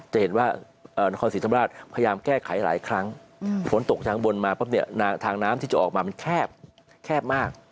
จะเห็นว่านครศรีธรรมราชพยายามแก้ไขหลายครั้งฝนตกทางบนมาปุ๊บเนี่ยทางน้ำที่จะออกมามันแคบมาก